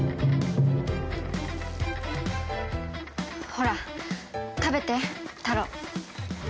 ほら食べてタロウ。